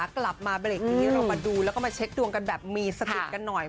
กลับมาเบรกนี้เรามาดูแล้วก็มาเช็คดวงกันแบบมีสติกันหน่อย